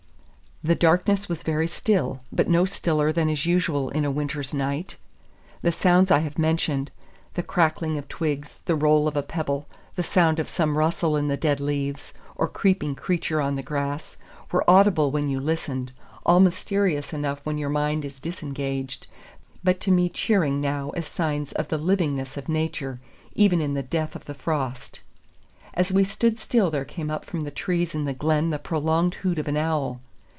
The darkness was very still, but no stiller than is usual in a winter's night. The sounds I have mentioned the crackling of twigs, the roll of a pebble, the sound of some rustle in the dead leaves, or creeping creature on the grass were audible when you listened, all mysterious enough when your mind is disengaged, but to me cheering now as signs of the livingness of nature, even in the death of the frost. As we stood still there came up from the trees in the glen the prolonged hoot of an owl.